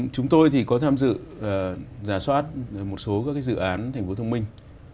chúng tôi thì có tham dự giả soát một số các dự án thành phố thông minh